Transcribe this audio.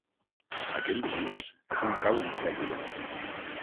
Aquell pis és un cau infecte.